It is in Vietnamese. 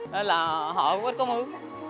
nên là họ ít có mướn